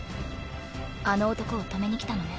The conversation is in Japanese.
あの男を止めに来たのね。